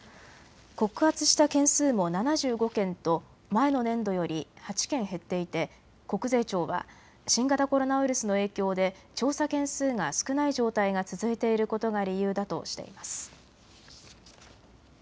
告発した件数も７５件と前の年度より８件減っていて国税庁は新型コロナウイルスの影響で調査件数が少ない状態が続いていることが理由だとしています。